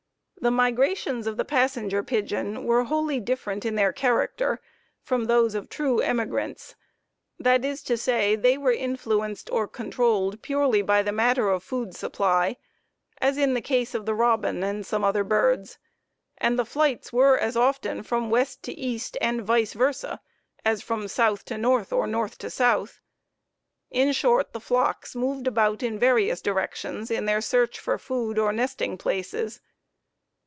The migrations of the Passenger Pigeon were wholly different in their character from those of true emigrants, that is to say, they were influenced or controlled purely by the matter of food supply, as in the case of the robin and some other birds, and the flights were as often from west to east and vice versa as from south to north or north to south; in short, the flocks moved about in various directions in their search for food or nesting places.